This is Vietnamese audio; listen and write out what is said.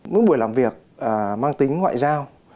mỗi buổi làm việc mang tính ngoại gian